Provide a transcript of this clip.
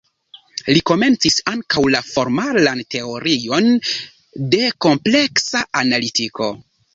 Li komencis ankaŭ la formalan teorion de kompleksa analitiko.